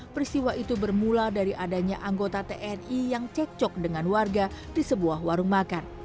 peristiwa itu bermula dari adanya anggota tni yang cekcok dengan warga di sebuah warung makan